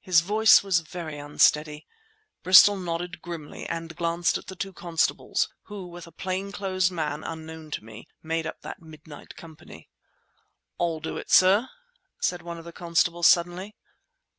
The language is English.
His voice was very unsteady. Bristol nodded grimly and glanced at the two constables, who, with a plain clothes man unknown to me, made up that midnight company. "I'll do it, sir," said one of the constables suddenly.